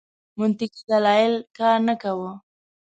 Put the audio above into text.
منطقي دلایل کار نه کاوه.